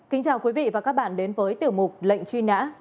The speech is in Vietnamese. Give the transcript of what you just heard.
kính chào quý vị và các bạn đến với tiểu mục lệnh truy nã